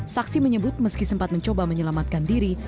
saksi menyebut meski sempat mencoba menyelamatkan diri